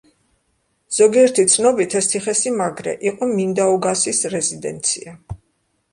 ზოგიერთი ცნობით ეს ციხესიმაგრე იყო მინდაუგასის რეზიდენცია.